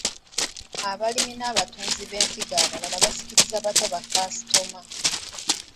Abalimi n’abatunzi b’ensigo abalala basikiriza batya bakasitoma?